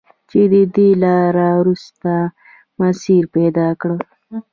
چې د دې لارو، وروستی مسیر پیدا کړم